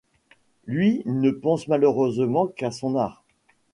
Lui ne pense malheureusement qu'à son art.